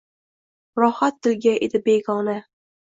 Rohat dilga edi begona: